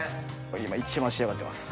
今一番仕上がってます。